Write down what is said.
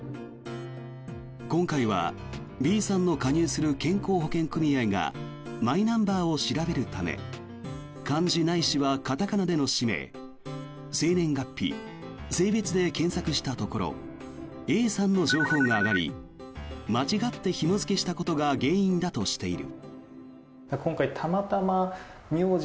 今回はＢさんの加入する健康保険組合がマイナンバーを調べるため漢字ないしは片仮名での氏名生年月日、性別で検索したところＡさんの情報が挙がり間違ってひも付けしたことが原因だとしている。